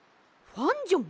ファンジョン？